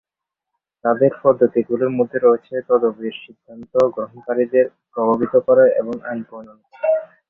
তাদের পদ্ধতিগুলির মধ্যে রয়েছে তদবির, সিদ্ধান্ত গ্রহণকারীদের প্রভাবিত করা এবং আইন প্রণয়ন করা।